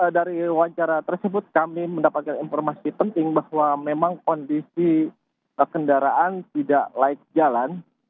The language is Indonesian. dari wawancara tersebut kami mendapatkan informasi penting bahwa memang kondisi kendaraan tidak laik jalan